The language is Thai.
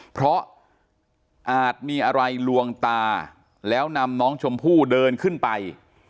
เพราะอาจมีอะไรลวงตาแล้วนำน้องชมพู่เดินขึ้นไป